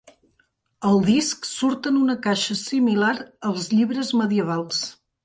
El disc surt en una caixa similar als llibres medievals.